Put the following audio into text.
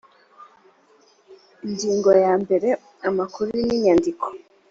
ingingo ya mbere amakuru n inyandiko